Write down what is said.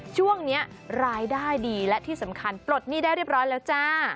ช่วงนี้รายได้ดีและที่สำคัญปลดหนี้ได้เรียบร้อยแล้วจ้า